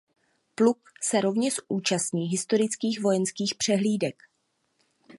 Pluk se rovněž účastní historických vojenských přehlídek.